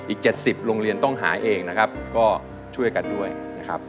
๗๐โรงเรียนต้องหาเองนะครับก็ช่วยกันด้วยนะครับ